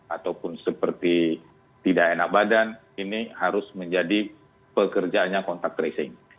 ataupun seperti tidak enak badan ini harus menjadi pekerjaannya kontak tracing